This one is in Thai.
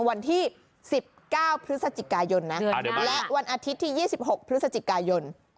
วันที่สิบเก้าพฤษจิกายนนะเดือนห้าและวันอาทิตย์ที่ยี่สิบหกพฤษจิกายน